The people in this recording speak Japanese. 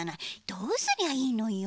どうすりゃいいのよ。